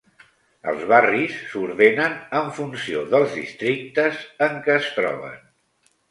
Els barris s'ordenen en funció dels "districtes" en què es troben.